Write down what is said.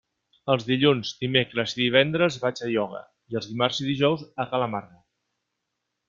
Els dilluns, dimecres i divendres vaig a ioga i els dimarts i dijous a ca la Marga.